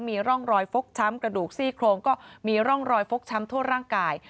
มีร่องรอยฟกช้ำกระดูกซี่โครงก็มีร่องรอยฟกช้ำทั่วร่างกาย